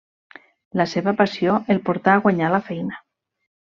La seva passió el portà a guanyar la feina.